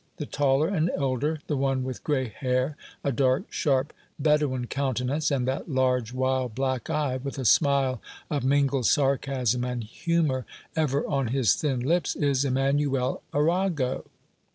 The taller and elder, the one with gray hair, a dark, sharp Bedouin countenance, and that large, wild, black eye, with a smile of mingled sarcasm and humor ever on his thin lip, is Emanuel Arago.